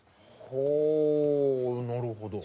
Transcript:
ほうなるほど。